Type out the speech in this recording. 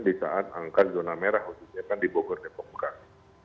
di saat angka zona merah di bogor dan depok bukan